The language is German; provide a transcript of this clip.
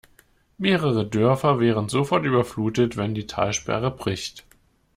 Mehrere Dörfer wären sofort überflutet, wenn die Talsperre bricht.